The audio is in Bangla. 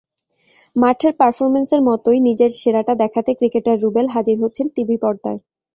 মাঠের পারফরম্যান্সের মতোই নিজের সেরাটা দেখাতে ক্রিকেটার রুবেল হাজির হচ্ছেন টিভি পর্দায়।